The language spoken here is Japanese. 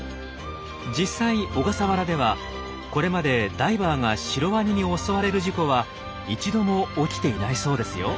実際小笠原ではこれまでダイバーがシロワニに襲われる事故は一度も起きていないそうですよ。